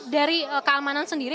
dari keamanan sendiri